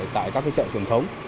tại các chợ truyền thống